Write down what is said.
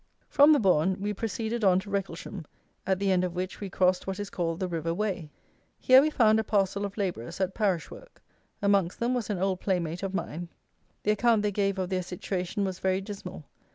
From the Bourn we proceeded on to Wrecklesham, at the end of which we crossed what is called the river Wey. Here we found a parcel of labourers at parish work. Amongst them was an old playmate of mine. The account they gave of their situation was very dismal.